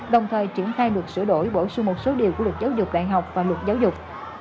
đồng thời triển khai luật sửa đổi bổ sung một số điều của luật giáo dục đại học và luật giáo dục